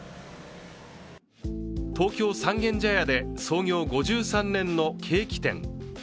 東京・三軒茶屋で創業５３年のケーキ店。